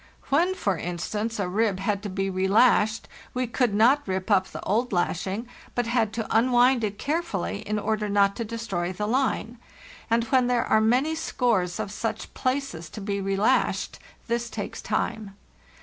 When, for instance, a rib had to be relashed we could not rip up the old lashing, but had to unwind it carefully in order not to destroy the line; and when there are many scores of such places to be relashed, this takes time.